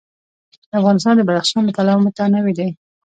افغانستان د بدخشان له پلوه متنوع دی.